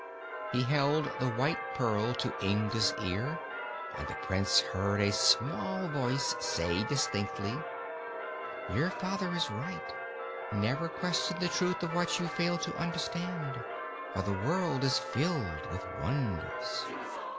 He held the white pearl to Inga's ear and the Prince heard a small voice say distinctly: "Your father is right. Never question the truth of what you fail to understand, for the world is filled with wonders."